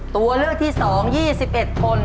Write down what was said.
ตัวเลือกที่๒ยี่สิบเอ็ดคน